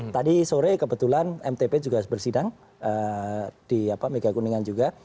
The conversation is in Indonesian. tadi sore kebetulan mtp juga bersidang di megakuningan juga